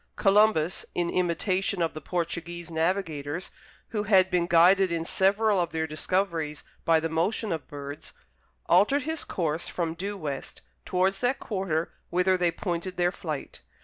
Columbus, in imitation of the Portuguese navigators, who had been guided in several of their discoveries by the motion of birds, altered his course from due west towards that quarter whither they pointed their flight.